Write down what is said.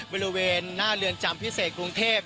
บริเวณหน้าเรือนจำพิเศษกรุงเทพ